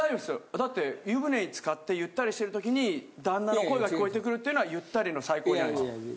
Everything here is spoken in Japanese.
だって湯舟につかってゆったりしてる時に旦那の声が聞こえてくるっていうのはゆったりの最高じゃないですか。